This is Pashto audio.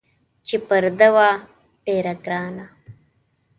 چې پر ده وه ډېره ګرانه